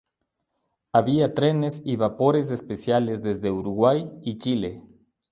Había trenes y vapores especiales desde Uruguay y Chile..